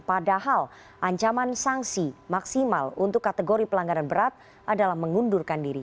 padahal ancaman sanksi maksimal untuk kategori pelanggaran berat adalah mengundurkan diri